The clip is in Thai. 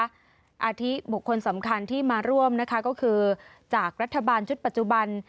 อาทิบุคคลสำคัญที่มาร่วมนะคะก็คือจากรัฐบาลชุดปัจจุบัน